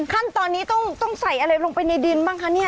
ขั้นตอนนี้ต้องใส่อะไรลงไปในดินบ้างคะเนี่ย